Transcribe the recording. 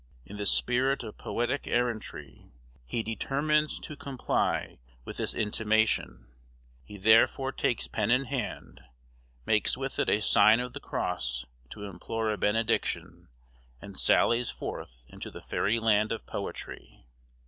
In the spirit of poetic errantry he determines to comply with this intimation; he therefore takes pen in hand, makes with it a sign of the cross to implore a benediction, and sallies forth into the fairy land of poetry.